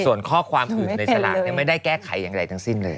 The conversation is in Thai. ส่วนข้อความอื่นในสลากไม่ได้แก้ไขอย่างไรทั้งสิ้นเลย